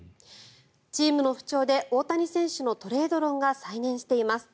チームの不調で大谷選手のトレード論が再燃しています。